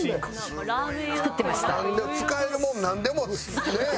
使えるもんなんでもねえ。